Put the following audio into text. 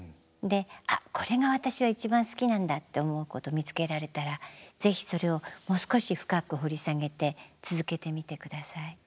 で「あこれが私は一番好きなんだ」って思うことを見つけられたらぜひそれをもう少し深く掘り下げて続けてみて下さい。